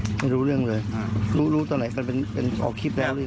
ความจำเลอะเลือนเหมือนเด็กแล้วก็ยืนยันว่าตัวเองไม่ได้ทุบตียายเพราะว่ายายดื้อจริง